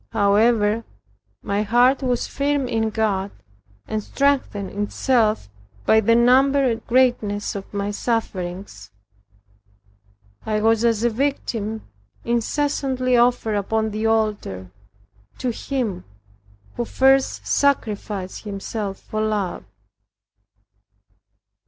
However, my heart was firm in God, and strengthened itself by the number and greatness of my sufferings. I was as a victim incessantly offered upon the altar, to HIM who first sacrificed Himself for love.